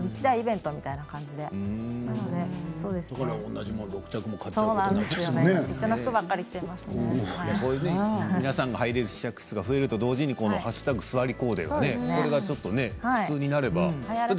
一大イベントみたいな同じものを６着皆さんが入れる試着室が増えると同時に＃すわりコーデが普通になればいい。